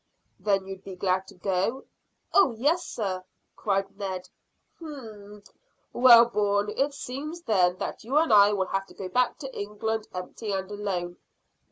"Then you'd be glad to go?" "Oh yes, sir," cried Ned. "Humph! Well, Bourne, it seems then that you and I will have to go back to England empty and alone."